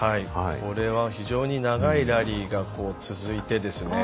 これは非常に長いラリーが続いてですね。